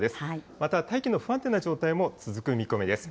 また、大気の不安定な状態も続く見込みです。